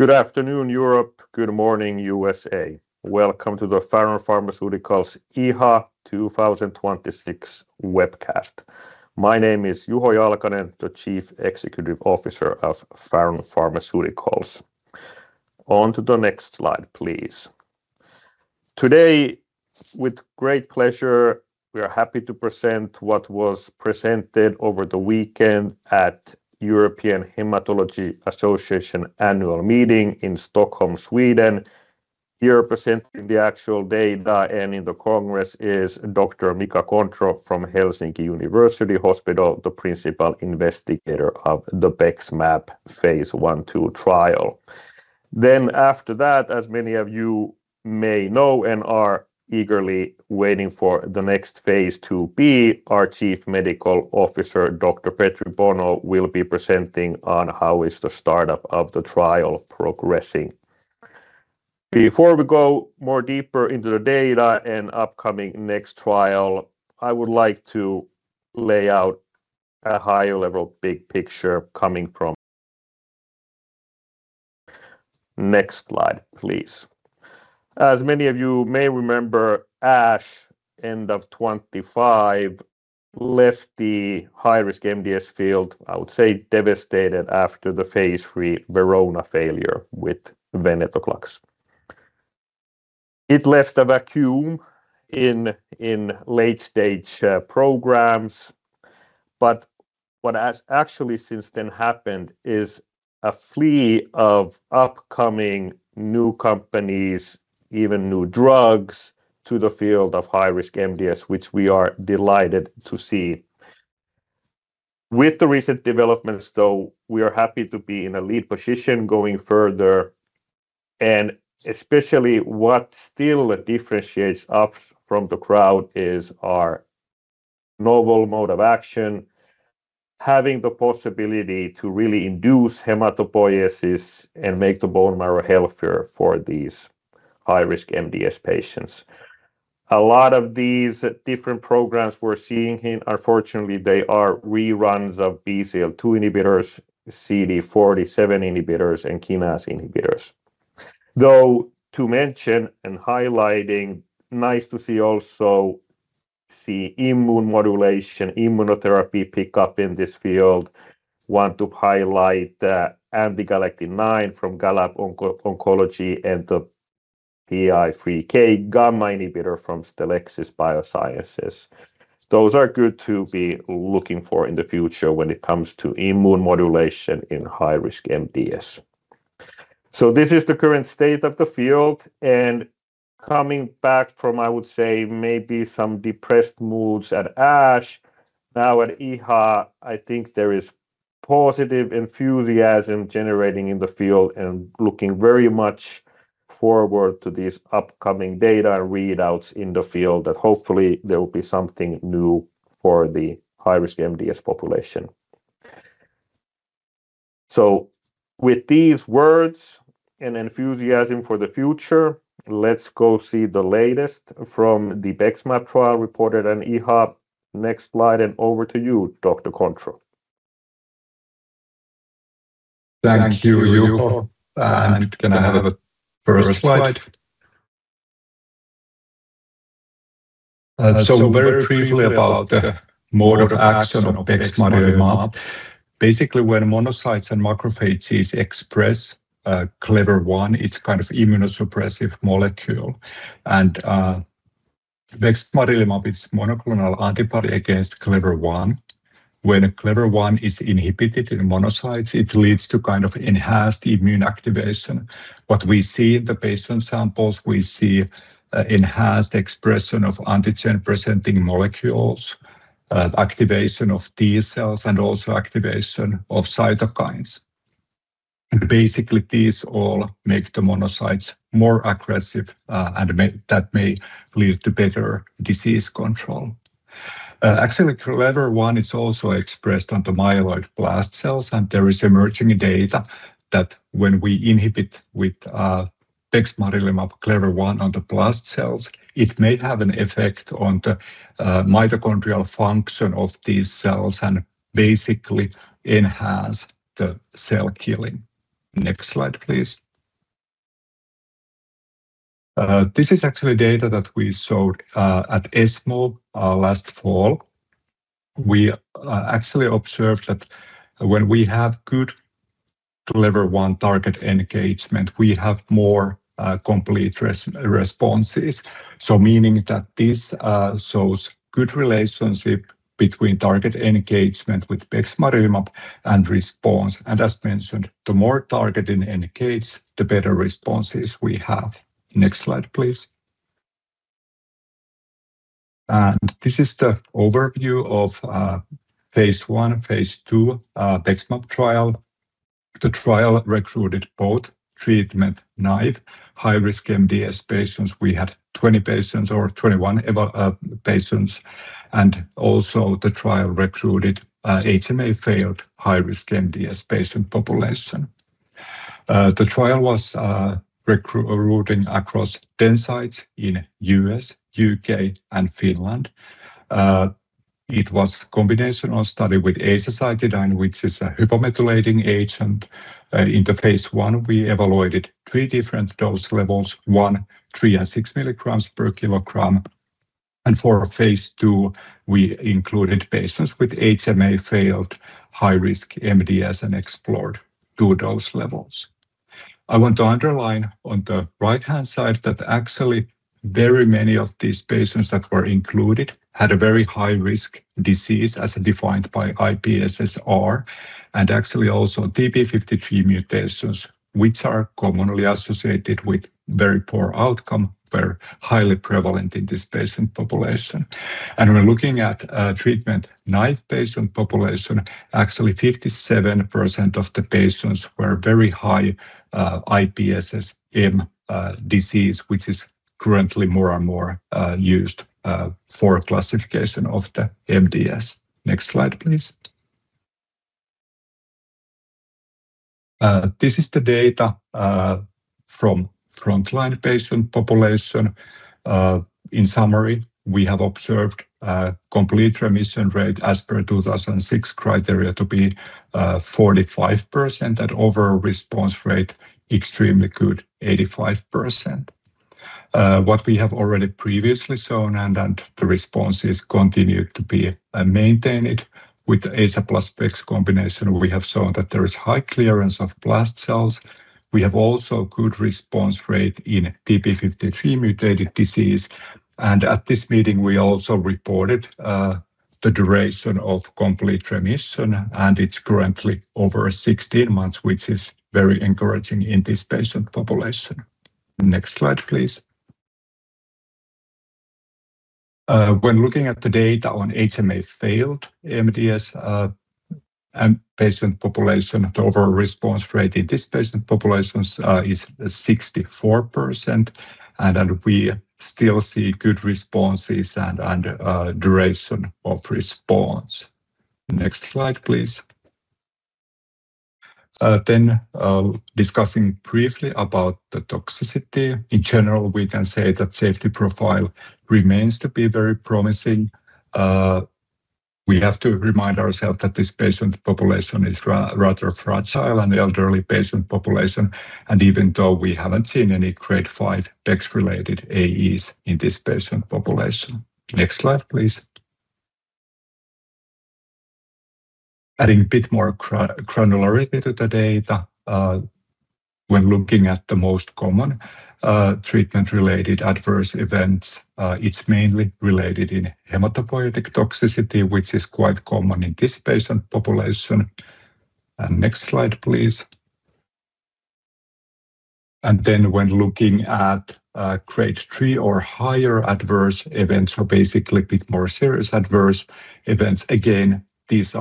Good afternoon, Europe. Good morning, U.S.A. Welcome to the Faron Pharmaceuticals EHA 2026 webcast. My name is Juho Jalkanen, the Chief Executive Officer of Faron Pharmaceuticals. On to the next slide, please. Today, with great pleasure, we are happy to present what was presented over the weekend at European Hematology Association annual meeting in Stockholm, Sweden. Here presenting the actual data and in the Congress is Dr. Mika Kontro from Helsinki University Hospital, the Principal Investigator of the BEXMAB phase I/II trial. After that, as many of you may know and are eagerly waiting for the next phase IIb, our Chief Medical Officer, Dr. Petri Bono, will be presenting on how is the startup of the trial progressing. Before we go more deeper into the data and upcoming next trial, I would like to lay out a higher level big picture coming from. Next slide, please. As many of you may remember, ASH end of 2025 left the high-risk MDS field, I would say devastated after the phase III VERONA failure with Venetoclax. It left a vacuum in late-stage programs. What has actually since then happened is a plethora of upcoming new companies, even new drugs, to the field of high-risk MDS, which we are delighted to see. With the recent developments, though, we are happy to be in a lead position going further, and especially what still differentiates us from the crowd is our novel mode of action, having the possibility to really induce hematopoiesis and make the bone marrow healthier for these high-risk MDS patients. A lot of these different programs we're seeing, unfortunately, they are reruns of BCL-2 inhibitors, CD47 inhibitors, and kinase inhibitors. To mention and highlighting, nice to see also immune modulation, immunotherapy pickup in this field. Want to highlight the anti-galectin-9 from Galecto and the PI3K gamma inhibitor from Stelexis BioSciences. Those are good to be looking for in the future when it comes to immune modulation in high-risk MDS. This is the current state of the field, coming back from, I would say, maybe some depressed moods at ASH. At EHA, I think there is positive enthusiasm generating in the field and looking very much forward to these upcoming data readouts in the field that hopefully there will be something new for the high-risk MDS population. With these words and enthusiasm for the future, let's go see the latest from the BEXMAB trial reported on EHA. Next slide, and over to you, Dr. Kontro. Thank you, Juho. Can I have a first slide? Very briefly about the mode of action of Bexmarilimab. Basically, when monocytes and macrophages express Clever-1, it's kind of immunosuppressive molecule. Bexmarilimab is monoclonal antibody against Clever-1. When Clever-1 is inhibited in monocytes, it leads to enhanced immune activation. What we see in the patient samples, we see enhanced expression of antigen-presenting molecules, activation of T cells, and also activation of cytokines. Basically, these all make the monocytes more aggressive, and that may lead to better disease control. Actually, Clever-1 is also expressed on the myeloid blast cells, and there is emerging data that when we inhibit with Bexmarilimab Clever-1 on the blast cells, it may have an effect on the mitochondrial function of these cells and basically enhance the cell killing. Next slide, please. This is actually data that we showed at ESMO last fall. We actually observed that when we have good Clever-1 target engagement, we have more complete responses. Meaning that this shows good relationship between target engagement with bexmarilimab and response. As mentioned, the more target it engage, the better responses we have. Next slide, please. This is the overview of phase I, phase II BEXMAB trial. The trial recruited both treatment-naïve high-risk MDS patients. We had 20 patients or 21 patients, also the trial recruited HMA-failed high-risk MDS patient population. The trial was recruiting across 10 sites in U.S., U.K., and Finland. It was a combinational study with azacitidine, which is a hypomethylating agent. In the phase one, we evaluated three different dose levels, one, three, and six milligrams per kilogram. For phase II, we included patients with HMA-failed high-risk MDS and explored two dose levels. I want to underline on the right-hand side that actually very many of these patients that were included had a very high-risk disease as defined by IPSS-R, also TP53 mutations, which are commonly associated with very poor outcome, were highly prevalent in this patient population. When looking at treatment-naïve patient population, actually 57% of the patients were very high IPSS-M disease, which is currently more and more used for classification of the MDS. Next slide, please. This is the data from frontline patient population. In summary, we have observed a complete remission rate as per IWG 2006 criteria to be 45%, overall response rate extremely good, 85%. What we have already previously shown, the responses continued to be maintained with the AZA plus Bex combination, we have shown that there is high clearance of blast cells. We have also good response rate in TP53 mutated disease. At this meeting, we also reported the duration of complete remission, it's currently over 16 months, which is very encouraging in this patient population. Next slide, please. When looking at the data on HMA-failed MDS patient population, the overall response rate in this patient population is 64%, we still see good responses and duration of response. Next slide, please. Discussing briefly about the toxicity. In general, we can say that safety profile remains to be very promising. We have to remind ourselves that this patient population is rather fragile and elderly patient population, even though we haven't seen any Grade five Bex-related AEs in this patient population. Next slide, please. Adding a bit more granularity to the data. When looking at the most common treatment-related Adverse Events, it's mainly related in hematopoietic toxicity, which is quite common in this patient population. Next slide, please. When looking at Grade three or higher Adverse Events, basically a bit more serious Adverse Events, again, these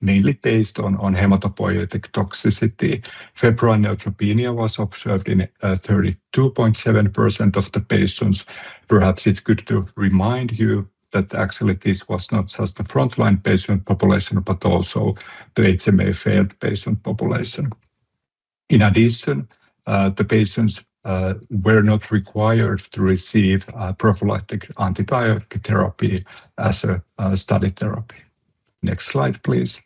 are mainly based on hematopoietic toxicity. Febrile neutropenia was observed in 32.7% of the patients. Perhaps it's good to remind you that actually this was not just the frontline patient population, but also the HMA-failed patient population. In addition, the patients were not required to receive prophylactic antibiotic therapy as a study therapy. Next slide, please.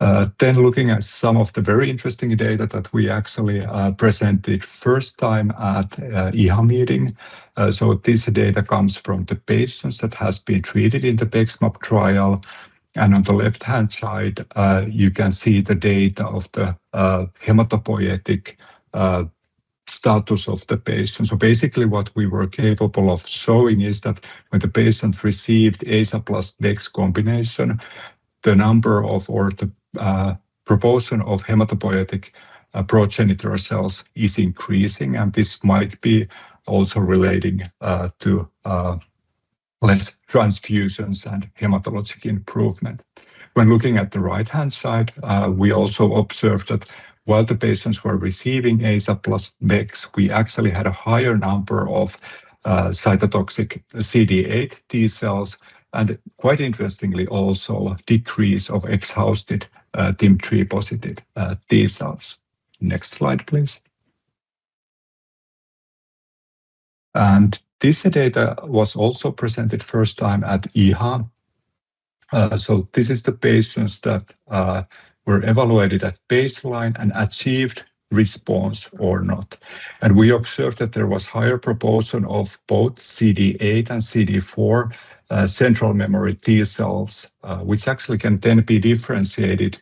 Looking at some of the very interesting data that we actually presented first time at EHA meeting. This data comes from the patients that have been treated in the BEXMAB trial. On the left-hand side, you can see the data of the hematopoietic status of the patient. Basically, what we were capable of showing is that when the patient received AZA plus Bex combination, the number of or the proportion of hematopoietic progenitor cells is increasing, and this might be also relating to less transfusions and hematologic improvement. When looking at the right-hand side, we also observed that while the patients were receiving AZA plus Bex, we actually had a higher number of cytotoxic CD8 T cells, and quite interestingly, also a decrease of exhausted TIM-3 positive T cells. Next slide, please. This data was also presented first time at EHA. This is the patients that were evaluated at baseline and achieved response or not. We observed that there was higher proportion of both CD8 and CD4 central memory T cells, which actually can then be differentiated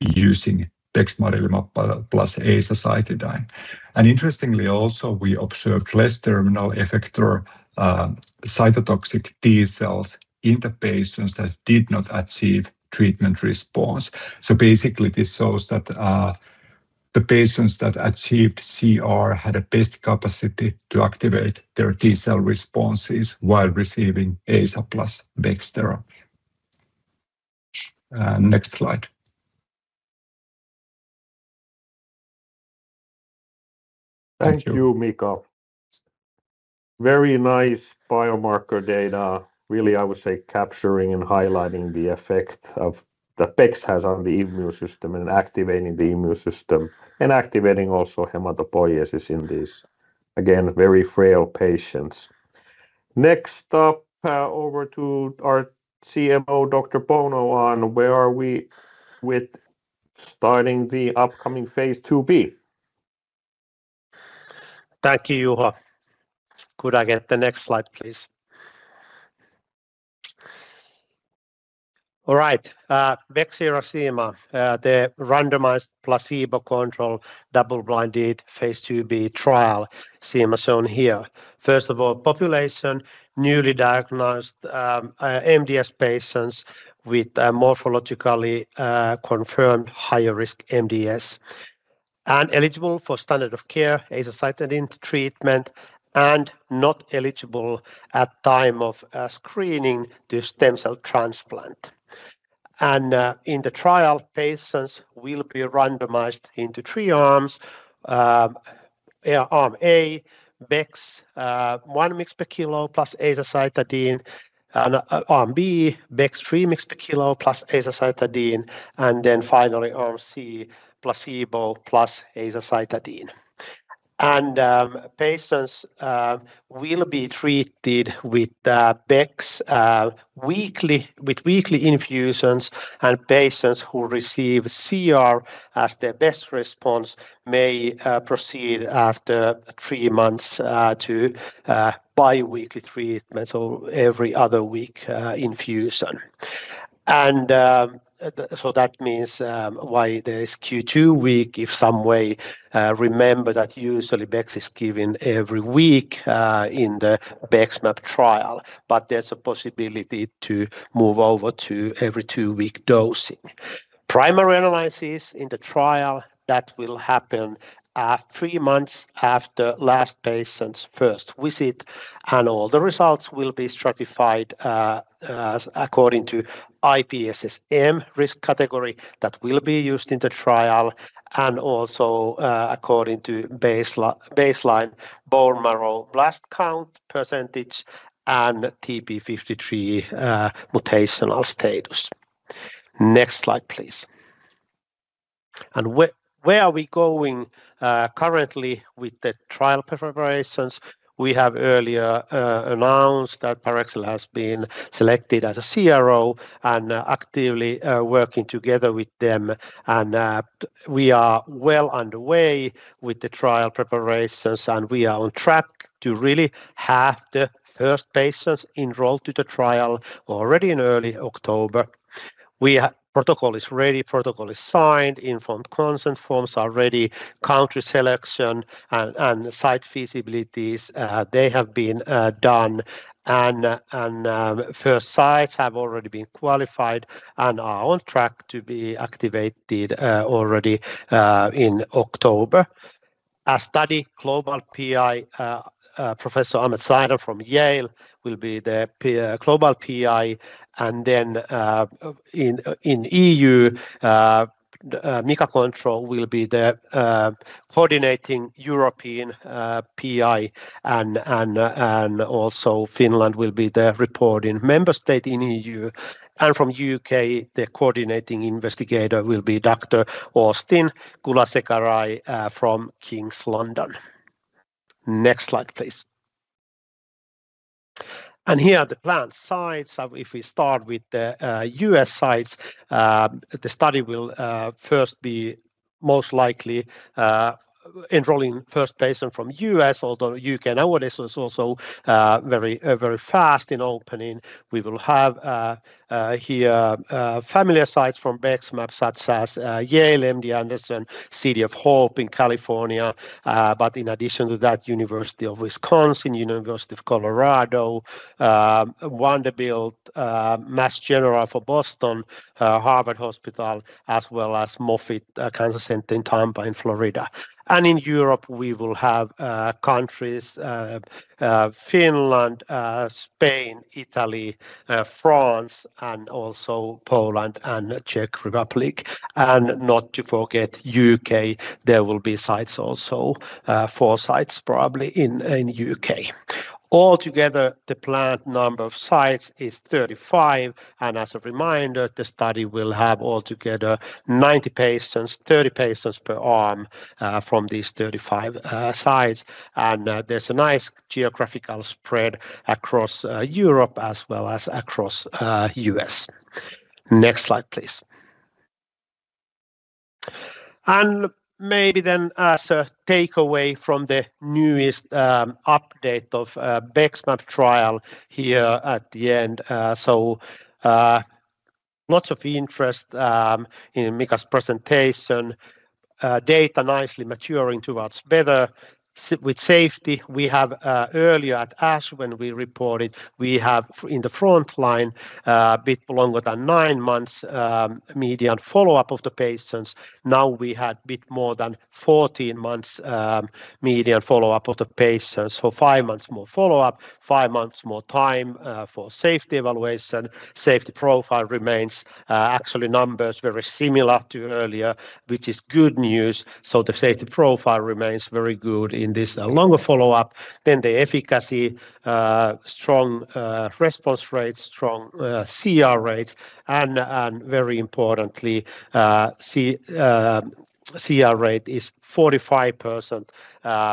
using Bexmarilimab plus Azacitidine. Interestingly also, we observed less terminal effector cytotoxic T cells in the patients that did not achieve treatment response. Basically, this shows that the patients that achieved CR had a best capacity to activate their T cell responses while receiving AZA plus Bex therapy. Next slide. Thank you, Mika. Very nice biomarker data. Really, I would say capturing and highlighting the effect of the Bex has on the immune system and activating the immune system and activating also hematopoiesis in this Again, very frail patients. Next up, over to our CMO, Dr. Bono, on where are we with starting the upcoming phase IIb. Thank you, Juho. Could I get the next slide, please? All right. Bexmarilimab, the randomized placebo control double-blinded phase IIb trial, schema shown here. First of all, population, newly diagnosed MDS patients with morphologically confirmed higher risk MDS and eligible for standard of care Azacitidine treatment and not eligible at time of screening to stem cell transplant. In the trial, patients will be randomized into three arms. Arm A, BEX 1 mg per kilo plus Azacitidine. Arm B, BEX 3 mg per kilo plus Azacitidine. Finally, arm C, placebo plus Azacitidine. Patients will be treated with BEX with weekly infusions, and patients who receive CR as their best response may proceed after three months to biweekly treatment or every other week infusion. That means why there is Q2-week if some way. Remember that usually Bex is given every week in the BEXMAB trial, but there's a possibility to move over to every two-week dosing. Primary analysis in the trial that will happen three months after last patient's first visit, and all the results will be stratified according to IPSS-M risk category that will be used in the trial and also according to baseline bone marrow blast count percentage and TP53 mutational status. Next slide, please. Where are we going currently with the trial preparations? We have earlier announced that Parexel has been selected as a CRO and actively working together with them. We are well underway with the trial preparations, and we are on track to really have the first patients enrolled to the trial already in early October. Protocol is ready. Protocol is signed. Informed consent forms are ready. Country selection and site feasibilities they have been done. First sites have already been qualified and are on track to be activated already in October. A study global PI, Professor Amer Zeidan from Yale, will be the global PI, then in EU, Mika Kontro will be the coordinating European PI and also Finland will be the reporting member state in EU. From U.K., the coordinating investigator will be Dr. Austin Kulasekararaj from King's London. Next slide, please. Here are the planned sites. If we start with the U.S. sites, the study will first be most likely enrolling first patient from U.S., although U.K. and our list is also very fast in opening. We will have here familiar sites from BEXMAB such as Yale, MD Anderson, City of Hope in California. In addition to that, University of Wisconsin, University of Colorado, Vanderbilt, Mass General for Boston, Dana-Farber/Harvard Cancer Center, as well as Moffitt Cancer Center in Tampa in Florida. In Europe, we will have countries Finland, Spain, Italy, France, and also Poland and Czech Republic. Not to forget, U.K., there will be sites also, four sites probably in U.K. Altogether, the planned number of sites is 35, and as a reminder, the study will have altogether 90 patients, 30 patients per arm, from these 35 sites. There's a nice geographical spread across Europe as well as across U.S. Next slide, please. Maybe then as a takeaway from the newest update of BEXMAB trial here at the end. Lots of interest in Mika's presentation. Data nicely maturing towards better with safety. We have earlier at ASH when we reported, we have in the frontline a bit longer than nine months median follow-up of the patients. Now we had bit more than 14 months median follow-up of the patients. Five months more follow-up, five months more time for safety evaluation. Safety profile remains actually numbers very similar to earlier, which is good news. The safety profile remains very good in this longer follow-up. The efficacy, strong response rates, strong CR rates, and very importantly, CR rate is 45%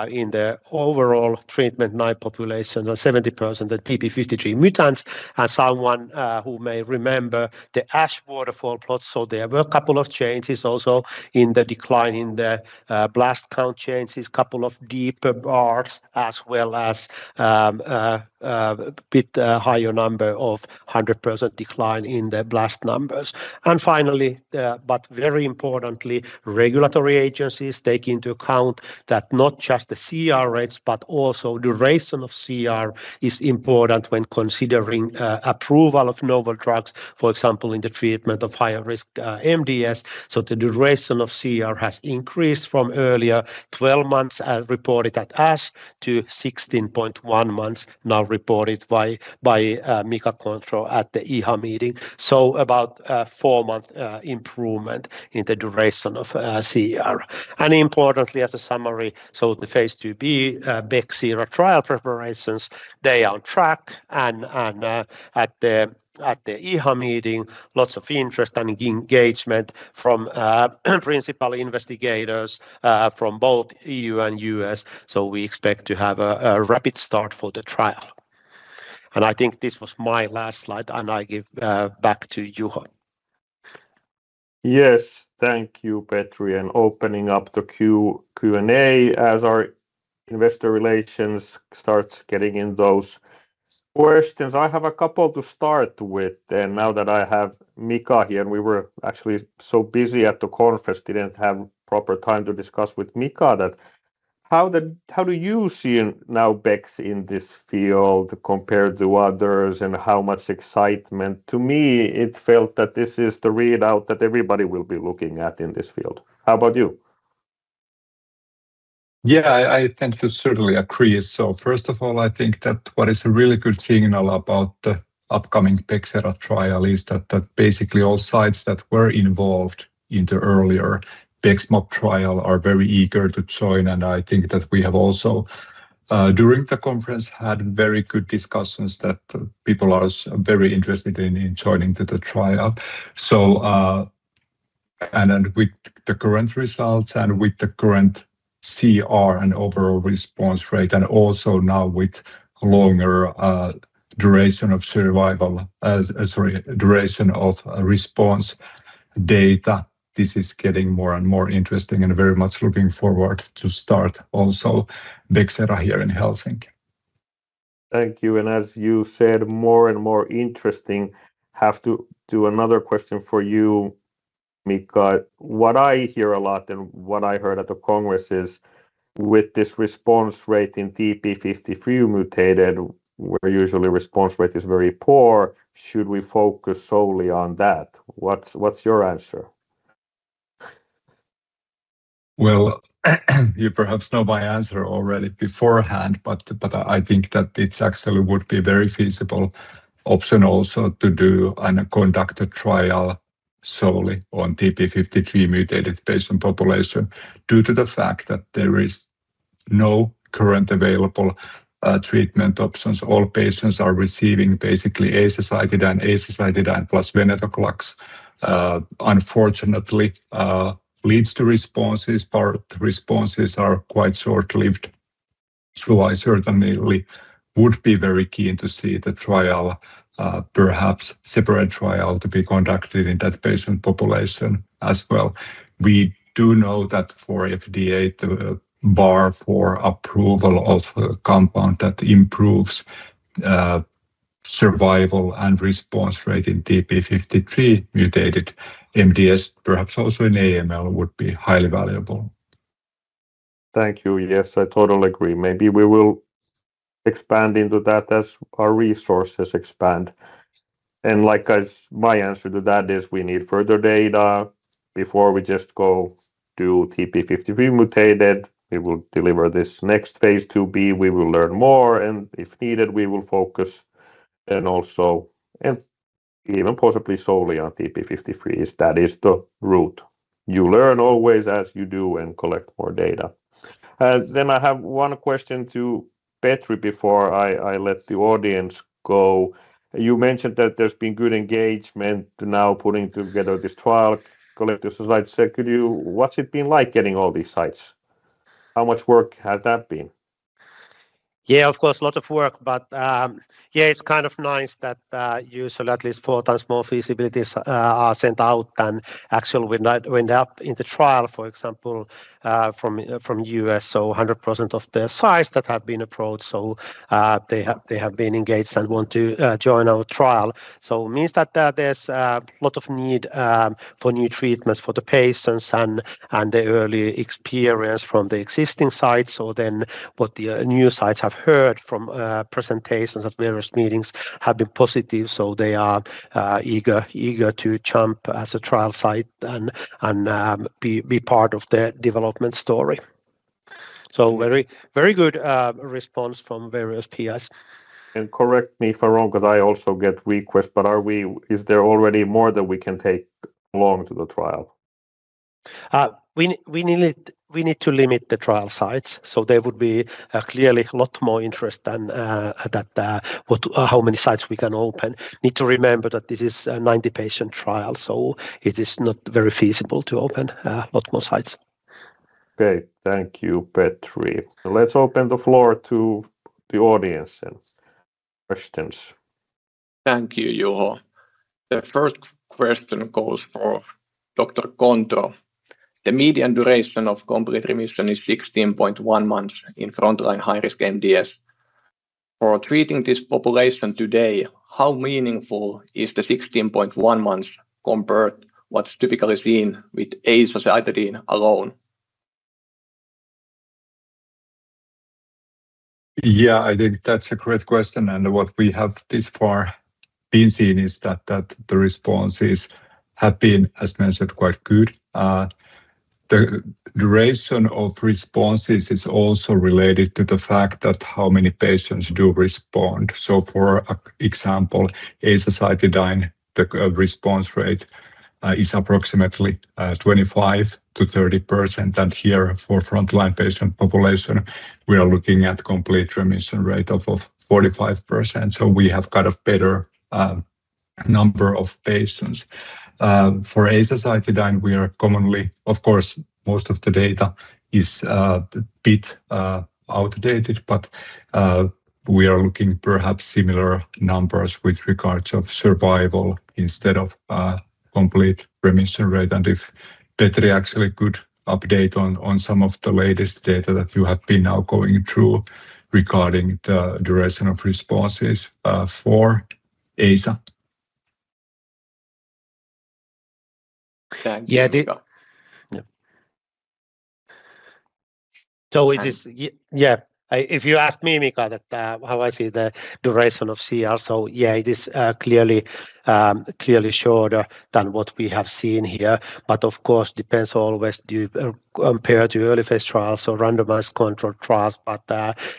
in the overall treatment line population, and 70% in TP53 mutants. Someone who may remember the ASH waterfall plot, there were a couple of changes also in the decline in the blast count changes, couple of deeper bars, as well as a bit higher number of 100% decline in the blast numbers. Finally, but very importantly, regulatory agencies take into account that not just the CR rates, but also duration of CR is important when considering approval of novel drugs, for example, in the treatment of higher risk MDS. The duration of CR has increased from earlier 12 months as reported at ASH to 16.1 months now reported by Mika Kontro at the EHA meeting. About a four-month improvement in the duration of CR. Importantly, as a summary, the phase IIb BEXERA trial preparations, they are on track and at the EHA meeting, lots of interest and engagement from principal investigators from both E.U. and U.S. We expect to have a rapid start for the trial. I think this was my last slide, and I give back to Juho. Yes. Thank you, Petri, opening up the Q&A as our investor relations starts getting in those questions. I have a couple to start with now that I have Mika here. We were actually so busy at the conference, didn't have proper time to discuss with Mika that how do you see now Bex in this field compared to others, and how much excitement? To me, it felt that this is the readout that everybody will be looking at in this field. How about you? Yeah. I tend to certainly agree. First of all, I think that what is a really good signal about the upcoming BEXERA trial is that basically all sites that were involved in the earlier BEXMAB trial are very eager to join, and I think that we have also, during the conference, had very good discussions that people are very interested in joining to the trial. With the current results and with the current CR and overall response rate, and also now with longer duration of response data, this is getting more and more interesting and very much looking forward to start also BEXERA here in Helsinki. Thank you. As you said, more and more interesting. Have to do another question for you, Mika. What I hear a lot and what I heard at the Congress is with this response rate in TP53 mutated, where usually response rate is very poor, should we focus solely on that? What's your answer? You perhaps know my answer already beforehand. I think that it actually would be very feasible option also to do and conduct a trial solely on TP53 mutated patient population due to the fact that there is no current available treatment options. All patients are receiving basically Azacitidine plus Venetoclax. Unfortunately, leads to responses. Part responses are quite short-lived. I certainly would be very keen to see the trial, perhaps separate trial to be conducted in that patient population as well. We do know that for FDA, the bar for approval of a compound that improves survival and response rate in TP53 mutated MDS, perhaps also in AML, would be highly valuable. Thank you. Yes, I totally agree. Maybe we will expand into that as our resources expand. My answer to that is we need further data before we just go do TP53 mutated. We will deliver this next Phase IIb. We will learn more, and if needed, we will focus and also, and even possibly solely on TP53 if that is the route. You learn always as you do and collect more data. I have one question to Petri before I let the audience go. You mentioned that there's been good engagement now putting together this trial, collecting the sites. What's it been like getting all these sites? How much work has that been? Of course, lot of work. It's nice that usually at least four times more feasibilities are sent out than actual wind up in the trial, for example, from U.S. 100% of the sites that have been approached, so they have been engaged and want to join our trial. Means that there's a lot of need for new treatments for the patients and the early experience from the existing sites. What the new sites have heard from presentations at various meetings have been positive, so they are eager to jump as a trial site and be part of the development story. Very good response from various PIs. Correct me if I'm wrong because I also get requests, is there already more that we can take along to the trial? We need to limit the trial sites. There would be clearly a lot more interest than how many sites we can open. Need to remember that this is a 90-patient trial, it is not very feasible to open a lot more sites. Okay. Thank you, Petri. Let's open the floor to the audience and questions. Thank you, Juho. The first question goes for Dr. Kontro. The median duration of complete remission is 16.1 months in frontline high-risk MDS. For treating this population today, how meaningful is the 16.1 months compared what's typically seen with azacitidine alone? Yeah, I think that's a great question, what we have thus far been seeing is that the responses have been, as mentioned, quite good. The duration of responses is also related to the fact that how many patients do respond. For example, Azacitidine, the response rate is approximately 25%-30%. Here for frontline patient population, we are looking at complete remission rate of 45%. We have got a better number of patients. For azacitidine, of course, most of the data is a bit outdated, but we are looking perhaps similar numbers with regards of survival instead of complete remission rate. If Petri actually could update on some of the latest data that you have been now going through regarding the duration of responses for AZA. Thank you. Yeah. It is. If you ask me, Mika, how I see the duration of CR, it is clearly shorter than what we have seen here, but of course, depends always compared to early phase trials or randomized control trials. But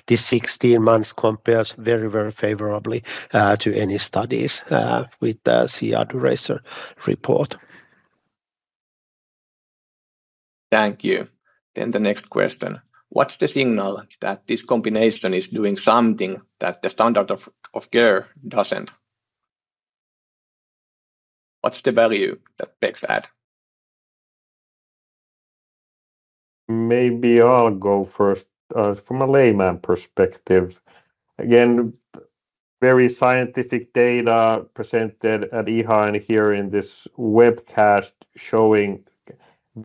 this 16 months compares very favorably to any studies with the CR duration report. Thank you. The next question. What's the signal that this combination is doing something that the standard of care doesn't? What's the value that Bex add? Maybe I'll go first from a layman perspective. Again, very scientific data presented at EHA and here in this webcast showing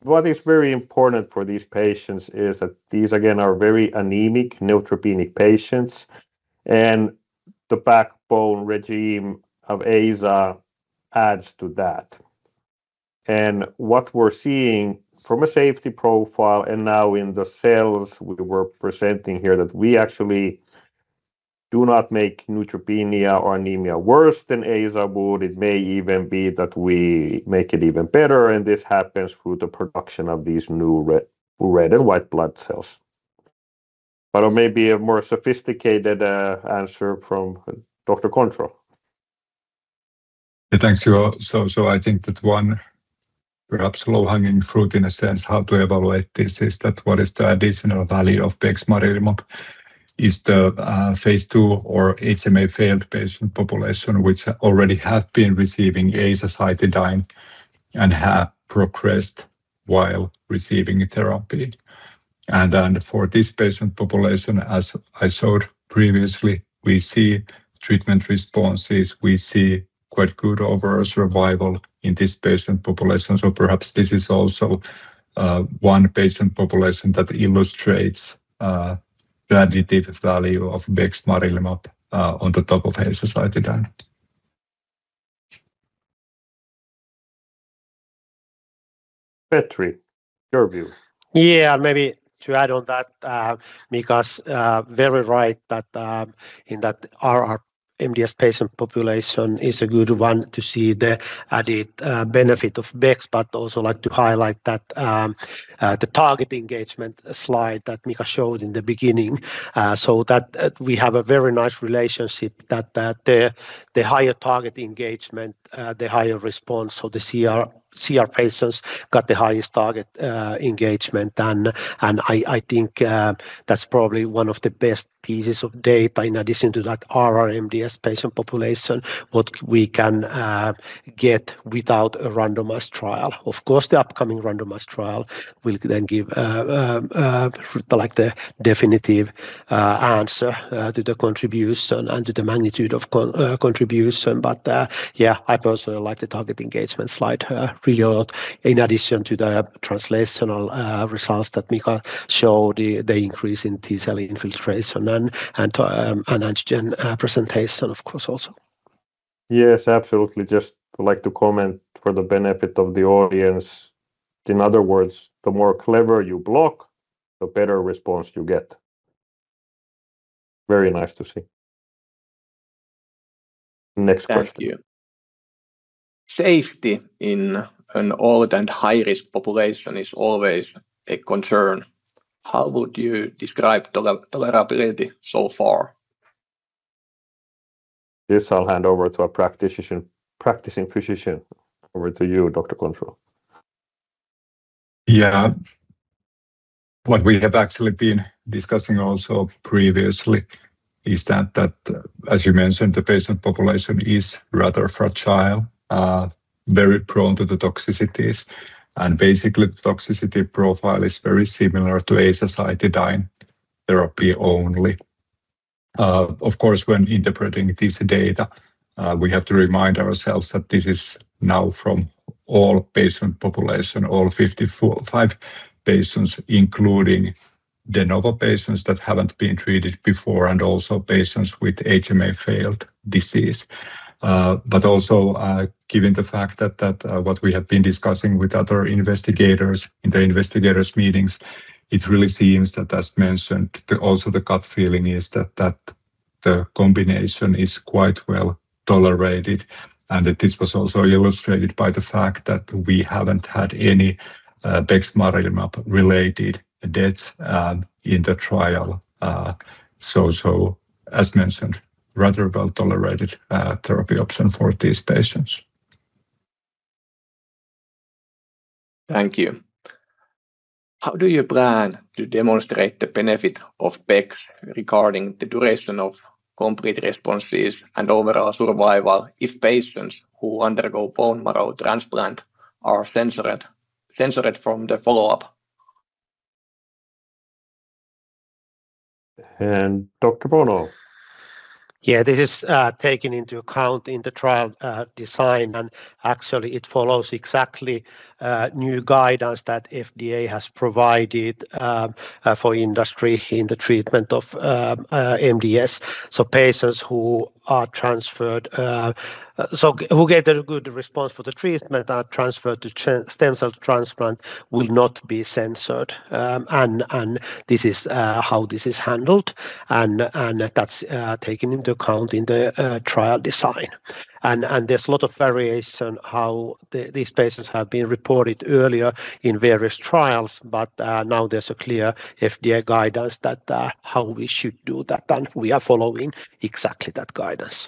what is very important for these patients is that these again are very anemic, neutropenic patients, and the backbone regime of AZA adds to that. What we're seeing from a safety profile and now in the cells we were presenting here, that we actually do not make neutropenia or anemia worse than AZA would. It may even be that we make it even better, and this happens through the production of these new red and white blood cells. Maybe a more sophisticated answer from Dr. Kontro. Thanks, Juho. I think that one perhaps low-hanging fruit, in a sense, how to evaluate this is that what is the additional value of Bexmarilimab is the phase II or HMA failed patient population, which already have been receiving Azacitidine and have progressed while receiving therapy. For this patient population, as I showed previously, we see treatment responses. We see quite good overall survival in this patient population. Perhaps this is also one patient population that illustrates the additive value of Bexmarilimab on the top of Azacitidine. Petri, your view. Maybe to add on that, Mika is very right that RR MDS patient population is a good one to see the added benefit of Bex, but also like to highlight that the target engagement slide that Mika showed in the beginning, so that we have a very nice relationship that the higher target engagement, the higher response. The CR patients got the highest target engagement, and I think that's probably one of the best pieces of data in addition to that RR MDS patient population, what we can get without a randomized trial. Of course, the upcoming randomized trial will then give the definitive answer to the contribution and to the magnitude of contribution. Yeah, I personally like the target engagement slide really a lot in addition to the translational results that Mika showed, the increase in T cell infiltration and antigen presentation, of course, also. Yes, absolutely. Just like to comment for the benefit of the audience. In other words, the more Clever you block, the better response you get. Very nice to see. Next question. Thank you. Safety in an old and high-risk population is always a concern. How would you describe the tolerability so far? This I'll hand over to a practicing physician. Over to you, Dr. Kontro. Yeah. What we have actually been discussing also previously is that, as you mentioned, the patient population is rather fragile, very prone to the toxicities, and basically the toxicity profile is very similar to azacitidine therapy only. Of course, when interpreting this data, we have to remind ourselves that this is now from all patient population, all 55 patients, including de novo patients that haven't been treated before, and also patients with HMA-failed disease. Also, given the fact that what we have been discussing with other investigators in the investigators meetings, it really seems that, as mentioned, also the gut feeling is that the combination is quite well-tolerated and that this was also illustrated by the fact that we haven't had any bexmarilimab-related deaths in the trial. As mentioned, rather well-tolerated therapy option for these patients. Thank you. How do you plan to demonstrate the benefit of Bex regarding the duration of complete responses and overall survival if patients who undergo bone marrow transplant are censored from the follow-up? Dr. Bono? This is taken into account in the trial design, actually it follows exactly new guidance that FDA has provided for industry in the treatment of MDS. Patients who get a good response for the treatment are transferred to stem cell transplant will not be censored. This is how this is handled, and that's taken into account in the trial design. There's a lot of variation how these patients have been reported earlier in various trials, but now there's a clear FDA guidance that how we should do that, and we are following exactly that guidance.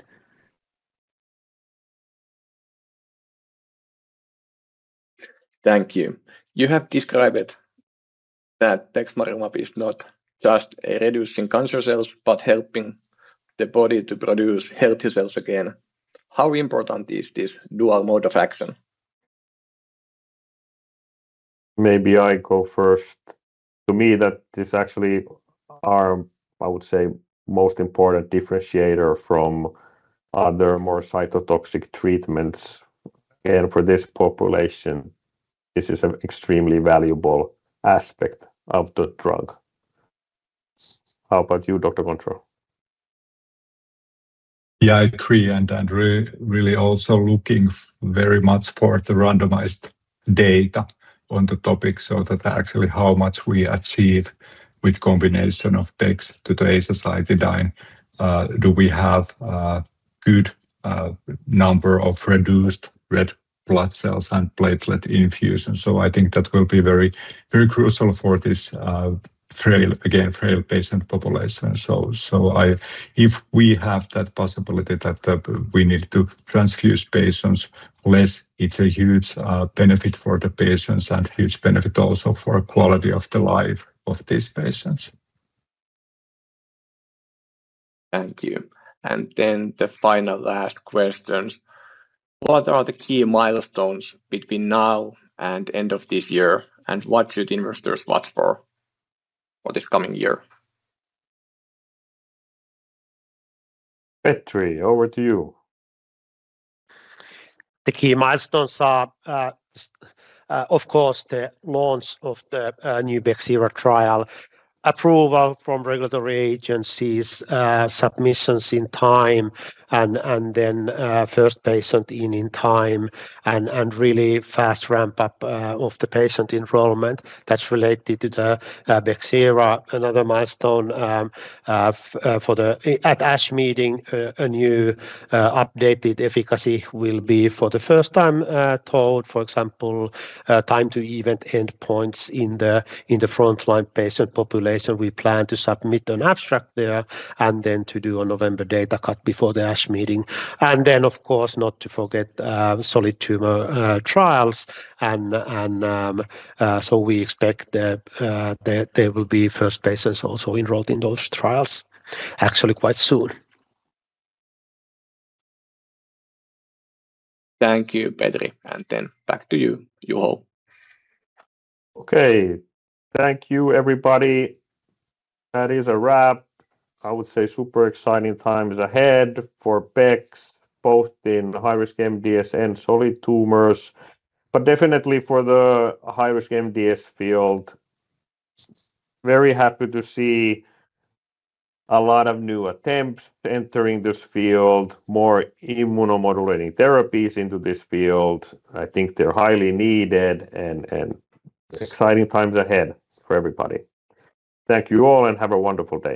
Thank you. You have described that Bexmarilimab is not just reducing cancer cells, but helping the body to produce healthy cells again. How important is this dual mode of action? Maybe I go first. To me, that is actually our, I would say, most important differentiator from other more cytotoxic treatments. For this population, this is an extremely valuable aspect of the drug. How about you, Dr. Kontro? Yeah, I agree. Really also looking very much for the randomized data on the topic, so that actually how much we achieve with combination of Bex to the Azacitidine. Do we have a good number of reduced red blood cells and platelet infusions? I think that will be very crucial for this, again, frail patient population. If we have that possibility that we need to transfuse patients less, it's a huge benefit for the patients and huge benefit also for quality of the life of these patients. Thank you. The final last questions. What are the key milestones between now and end of this year, and what should investors watch for this coming year? Petri, over to you. The key milestones are, of course, the launch of the new BEXERA trial, approval from regulatory agencies, submissions in time, and then first patient in in time, and really fast ramp-up of the patient enrollment. That's related to the BEXERA. Another milestone, at ASH meeting, a new updated efficacy will be for the first time told, for example, time to event endpoints in the frontline patient population. We plan to submit an abstract there and then to do a November data cut before the ASH meeting. Of course, not to forget solid tumor trials. We expect that there will be first patients also enrolled in those trials actually quite soon. Thank you, Petri. Then back to you, Juho. Okay. Thank you, everybody. That is a wrap. I would say super exciting times ahead for Bex, both in high-risk MDS and solid tumors, definitely for the high-risk MDS field. Very happy to see a lot of new attempts entering this field, more immunomodulating therapies into this field. I think they're highly needed, exciting times ahead for everybody. Thank you all, have a wonderful day